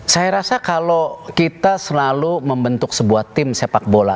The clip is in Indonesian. saya rasa kalau kita selalu membentuk sebuah tim sepak bola